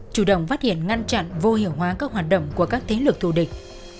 chủ động phát hiện ngăn chặn vô hiệu hóa các hoạt động của các thế lực thù địch